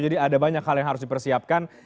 jadi ada banyak hal yang harus dipersiapkan